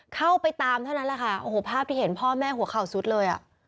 เข้าไปตามเท่านั้นแหละค่ะโอ้โหภาพที่เห็นพ่อแม่หัวเข่าสุดเลยอ่ะ